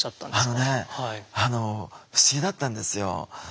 あのねあの不思議だったんですよ。